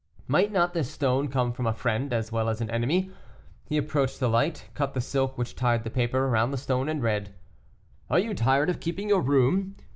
Might not this stone come from a friend as well as an enemy. He approached the light, cut the silk which tied the paper round the stone and read, "Are you tired of keeping your room?